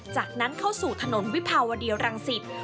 จากนั้นเข้าสู่ถนนวิภาวดีรังสิต